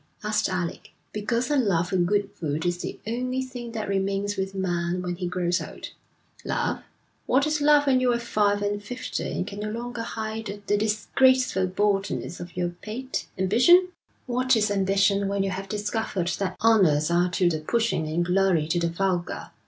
asked Alec. 'Because a love for good food is the only thing that remains with man when he grows old. Love? What is love when you are five and fifty and can no longer hide the disgraceful baldness of your pate. Ambition? What is ambition when you have discovered that honours are to the pushing and glory to the vulgar.